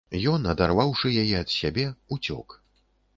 Ён, адарваўшы яе ад сябе, уцёк.